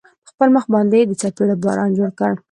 په خپل مخ باندې يې د څپېړو باران جوړ كړ.